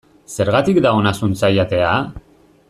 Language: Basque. Zergatik da ona zuntza jatea?